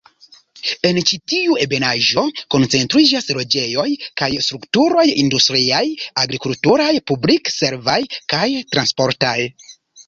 En ĉi tiu ebenaĵo koncentriĝas loĝejoj kaj strukturoj industriaj, agrikulturaj, publik-servaj kaj transportaj.